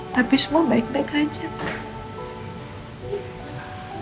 tapi semua baik baik aja pak